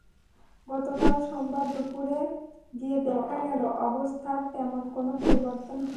গতকাল সোমবার দুপুরে গিয়ে দেখা গেল, অবস্থার তেমন কোনো পরিবর্তন হয়নি।